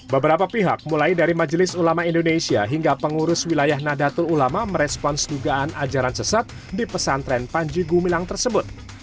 beberapa pihak mulai dari majelis ulama indonesia hingga pengurus wilayah nadatul ulama merespons dugaan ajaran sesat di pesantren panji gumilang tersebut